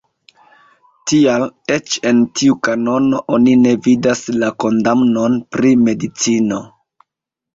Tial, eĉ en tiu kanono oni ne vidas la kondamnon pri medicino.